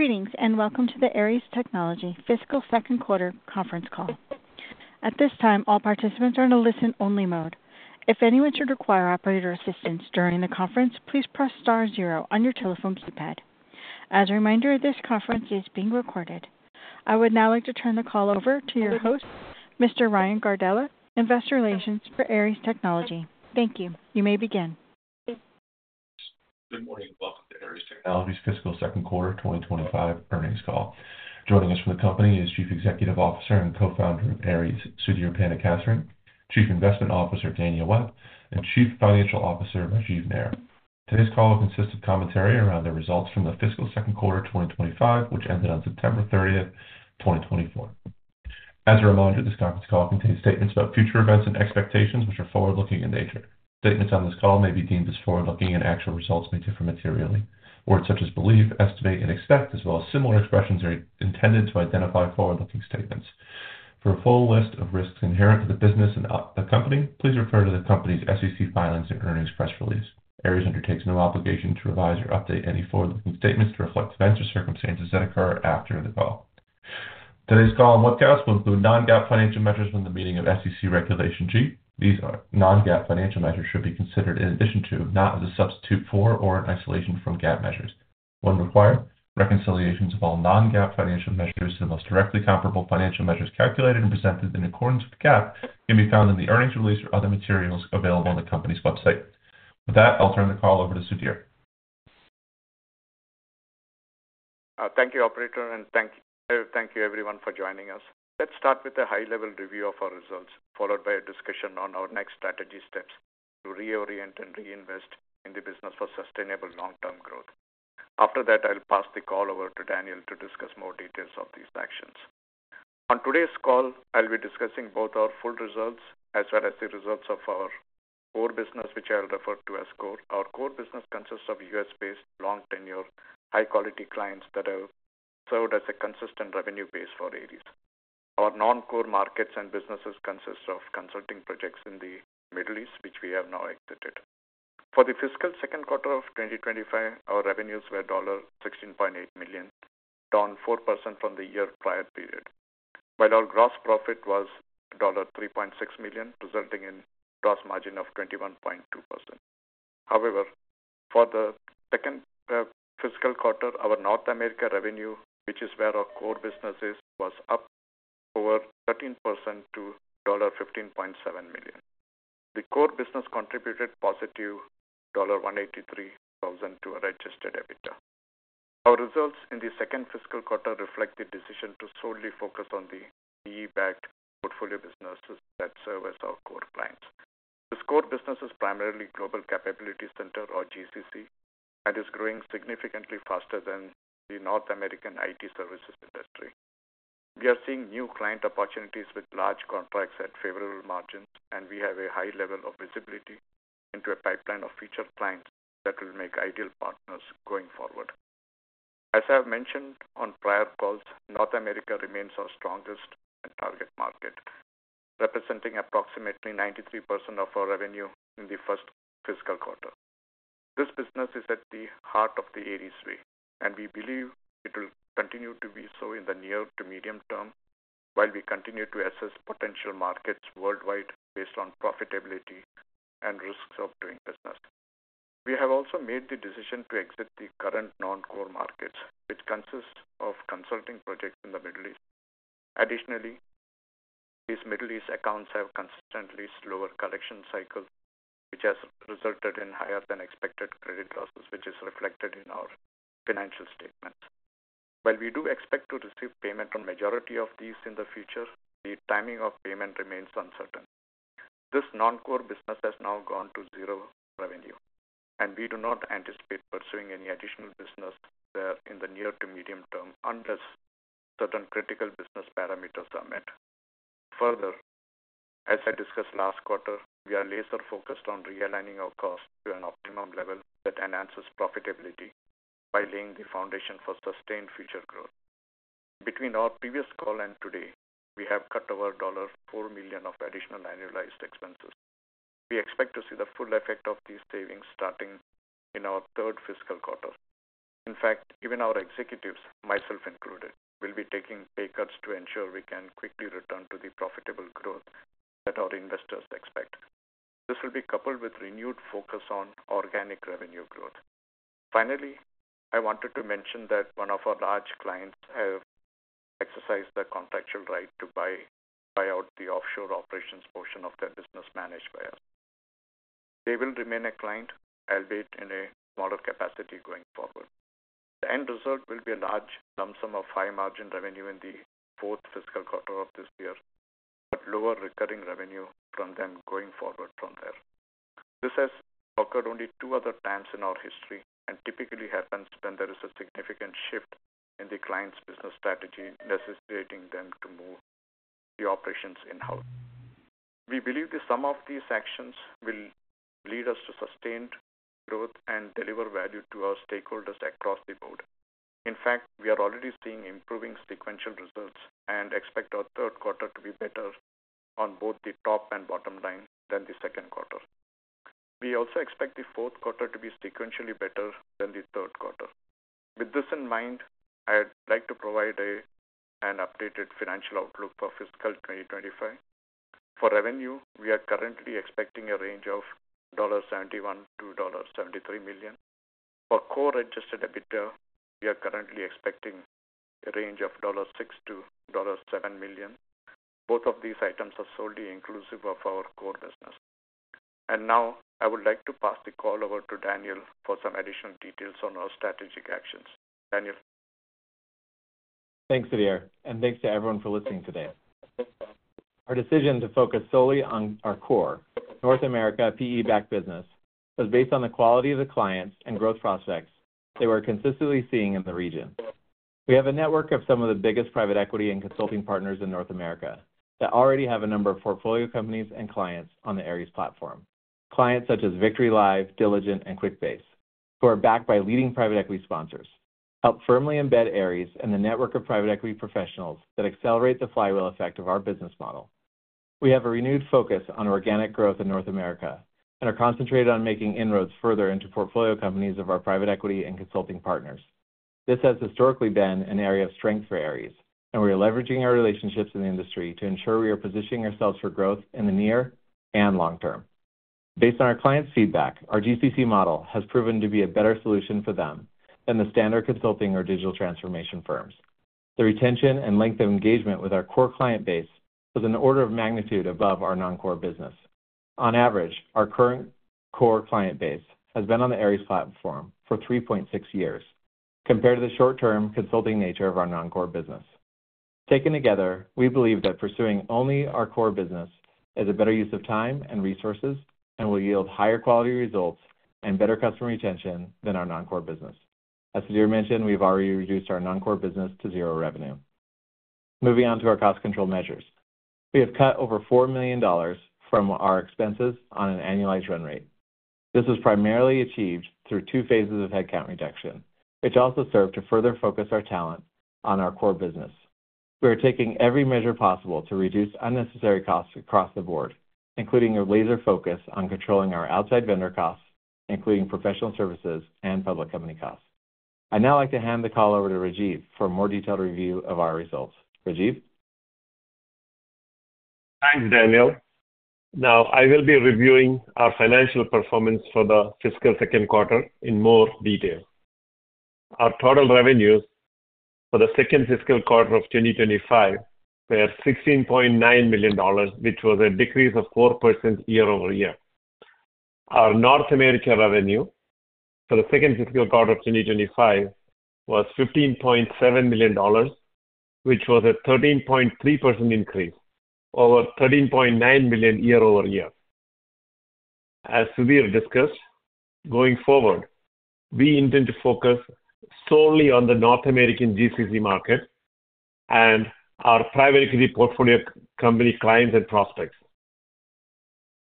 Greetings and welcome to the Aeries Technology Fiscal Second Quarter Conference Call. At this time, all participants are in a listen-only mode. If anyone should require operator assistance during the conference, please press star zero on your telephone keypad. As a reminder, this conference is being recorded. I would now like to turn the call over to your host, Mr. Ryan Gardella, Investor Relations for Aeries Technology. Thank you. You may begin. Good morning and welcome to Aeries Technology's Fiscal Second Quarter 2025 earnings call. Joining us from the company is Chief Executive Officer and Co-Founder of Aeries, Sudhir Panikassery, Chief Investment Officer, Daniel Webb, and Chief Financial Officer, Rajeev Nair. Today's call will consist of commentary around the results from the Fiscal Second Quarter 2025, which ended on September 30th, 2024. As a reminder, this conference call contains statements about future events and expectations, which are forward-looking in nature. Statements on this call may be deemed as forward-looking and actual results may differ materially. Words such as believe, estimate, and expect, as well as similar expressions, are intended to identify forward-looking statements. For a full list of risks inherent to the business and the company, please refer to the company's SEC filings and earnings press release. Aeries undertakes no obligation to revise or update any forward-looking statements to reflect events or circumstances that occur after the call. Today's call and webcast will include non-GAAP financial measures in accordance with the requirements of SEC Regulation G. These non-GAAP financial measures should be considered in addition to, not as a substitute for, or in isolation from GAAP measures. When required, reconciliations of all non-GAAP financial measures to the most directly comparable financial measures calculated and presented in accordance with GAAP can be found in the earnings release or other materials available on the company's website. With that, I'll turn the call over to Sudhir. Thank you, Operator, and thank you everyone for joining us. Let's start with a high-level review of our results, followed by a discussion on our next strategy steps to reorient and reinvest in the business for sustainable long-term growth. After that, I'll pass the call over to Daniel to discuss more details of these actions. On today's call, I'll be discussing both our full results as well as the results of our core business, which I'll refer to as core. Our core business consists of U.S.-based, long-tenured, high-quality clients that have served as a consistent revenue base for Aeries. Our non-core markets and businesses consist of consulting projects in the Middle East, which we have now exited. For the fiscal second quarter of 2025, our revenues were $16.8 million, down 4% from the year prior period. Gross profit was $3.6 million, resulting in a gross margin of 21.2%. However, for the second fiscal quarter, our North America revenue, which is where our core business is, was up over 13% to $15.7 million. The core business contributed positive $183,000 to our adjusted EBITDA. Our results in the second fiscal quarter reflect the decision to solely focus on the EBAG portfolio businesses that serve as our core clients. This core business is primarily Global Capability Center, or GCC, and is growing significantly faster than the North American IT services industry. We are seeing new client opportunities with large contracts at favorable margins, and we have a high level of visibility into a pipeline of future clients that will make ideal partners going forward. As I have mentioned on prior calls, North America remains our strongest and target market, representing approximately 93% of our revenue in the first fiscal quarter. This business is at the heart of the Aeries Way, and we believe it will continue to be so in the near to medium term while we continue to assess potential markets worldwide based on profitability and risks of doing business. We have also made the decision to exit the current non-core markets, which consist of consulting projects in the Middle East. Additionally, these Middle East accounts have consistently slower collection cycles, which has resulted in higher-than-expected credit losses, which is reflected in our financial statements. While we do expect to receive payment on the majority of these in the future, the timing of payment remains uncertain. This non-core business has now gone to zero revenue, and we do not anticipate pursuing any additional business there in the near to medium term unless certain critical business parameters are met. Further, as I discussed last quarter, we are laser-focused on realigning our costs to an optimum level that enhances profitability by laying the foundation for sustained future growth. Between our previous call and today, we have cut our $4 million of additional annualized expenses. We expect to see the full effect of these savings starting in our third fiscal quarter. In fact, even our executives, myself included, will be taking pay cuts to ensure we can quickly return to the profitable growth that our investors expect. This will be coupled with renewed focus on organic revenue growth. Finally, I wanted to mention that one of our large clients has exercised the contractual right to buy out the offshore operations portion of their business managed by us. They will remain a client, albeit in a smaller capacity going forward. The end result will be a large lump sum of high-margin revenue in the fourth fiscal quarter of this year, but lower recurring revenue from them going forward from there. This has occurred only two other times in our history and typically happens when there is a significant shift in the client's business strategy necessitating them to move the operations in-house. We believe some of these actions will lead us to sustained growth and deliver value to our stakeholders across the board. In fact, we are already seeing improving sequential results and expect our third quarter to be better on both the top and bottom line than the second quarter. We also expect the fourth quarter to be sequentially better than the third quarter. With this in mind, I'd like to provide an updated financial outlook for fiscal 2025. For revenue, we are currently expecting a range of $71-$73 million. For core Adjusted EBITDA, we are currently expecting a range of $6-$7 million. Both of these items are solely inclusive of our core business. And now, I would like to pass the call over to Daniel for some additional details on our strategic actions. Daniel. Thanks, Sudhir. And thanks to everyone for listening today. Our decision to focus solely on our core North America PE backed business was based on the quality of the clients and growth prospects they were consistently seeing in the region. We have a network of some of the biggest private equity and consulting partners in North America that already have a number of portfolio companies and clients on the Aeries Platform. Clients such as Victory Live, Diligent, and Quickbase, who are backed by leading private equity sponsors, help firmly embed Aeries and the network of private equity professionals that accelerate the Flywheel Effect of our business model. We have a renewed focus on organic growth in North America and are concentrated on making inroads further into portfolio companies of our private equity and consulting partners. This has historically been an area of strength for Aeries, and we are leveraging our relationships in the industry to ensure we are positioning ourselves for growth in the near and long term. Based on our clients' feedback, our GCC model has proven to be a better solution for them than the standard consulting or digital transformation firms. The retention and length of engagement with our core client base was an order of magnitude above our non-core business. On average, our current core client base has been on the Aeries Platform for 3.6 years, compared to the short-term consulting nature of our non-core business. Taken together, we believe that pursuing only our core business is a better use of time and resources and will yield higher quality results and better customer retention than our non-core business. As Sudhir mentioned, we've already reduced our non-core business to zero revenue. Moving on to our cost control measures, we have cut over $4 million from our expenses on an annualized run rate. This was primarily achieved through two phases of headcount reduction, which also served to further focus our talent on our core business. We are taking every measure possible to reduce unnecessary costs across the board, including a laser focus on controlling our outside vendor costs, including professional services and public company costs. I'd now like to hand the call over to Rajeev for a more detailed review of our results. Rajeev. Thanks, Daniel. Now, I will be reviewing our financial performance for the fiscal second quarter in more detail. Our total revenues for the second fiscal quarter of 2025 were $16.9 million, which was a decrease of 4% year over year. Our North America revenue for the second fiscal quarter of 2025 was $15.7 million, which was a 13.3% increase over $13.9 million year over year. As Sudhir discussed, going forward, we intend to focus solely on the North American GCC market and our private equity portfolio company clients and prospects.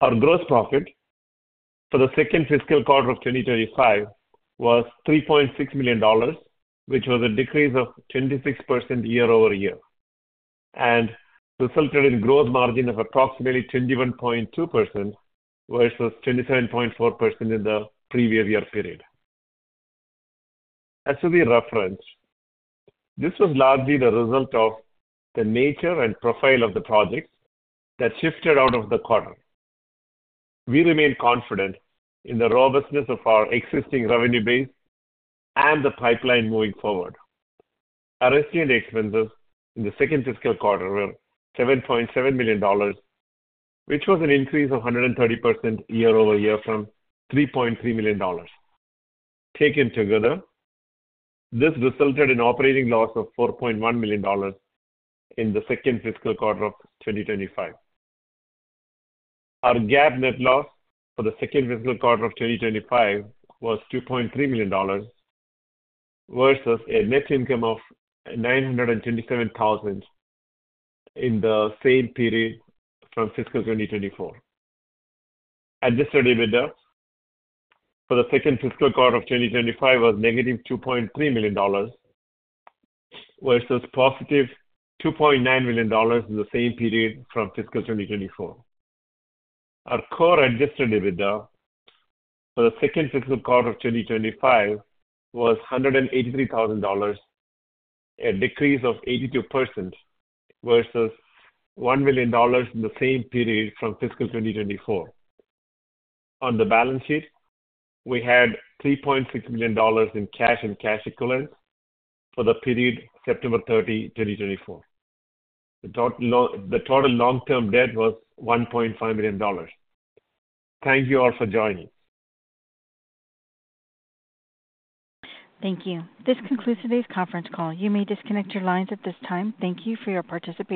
Our gross profit for the second fiscal quarter of 2025 was $3.6 million, which was a decrease of 26% year over year, and resulted in a gross margin of approximately 21.2% versus 27.4% in the previous year period. As Sudhir referenced, this was largely the result of the nature and profile of the projects that shifted out of the quarter. We remain confident in the robustness of our existing revenue base and the pipeline moving forward. Our SG&A expenses in the second fiscal quarter were $7.7 million, which was an increase of 130% year over year from $3.3 million. Taken together, this resulted in an operating loss of $4.1 million in the second fiscal quarter of 2025. Our GAAP net loss for the second fiscal quarter of 2025 was $2.3 million versus a net income of $927,000 in the same period from fiscal 2024. Adjusted EBITDA for the second fiscal quarter of 2025 was negative $2.3 million versus positive $2.9 million in the same period from fiscal 2024. Our core adjusted EBITDA for the second fiscal quarter of 2025 was $183,000, a decrease of 82% versus $1 million in the same period from fiscal 2024. On the balance sheet, we had $3.6 million in cash and cash equivalents for the period September 30, 2024. The total long-term debt was $1.5 million. Thank you all for joining. Thank you. This concludes today's conference call. You may disconnect your lines at this time. Thank you for your participation.